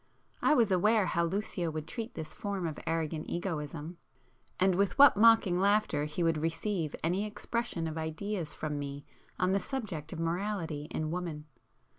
I was aware how Lucio would treat this form of arrogant egoism,—and with what mocking laughter he would receive any expression of ideas from me on the subject of morality in woman.